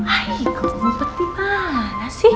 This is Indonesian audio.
ayo kemampuan peti mana sih